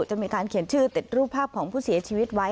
จะมีการเขียนชื่อติดรูปภาพของผู้เสียชีวิตไว้